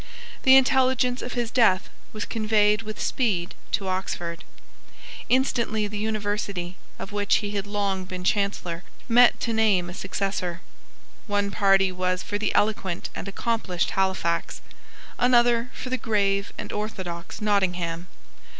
The intelligence of his death was conveyed with speed to Oxford. Instantly the University, of which he had long been Chancellor, met to name a successor. One party was for the eloquent and accomplished Halifax, another for the grave and orthodox Nottingham.